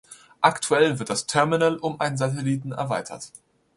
Aktuell wird das Terminal um einen Satelliten erweitert.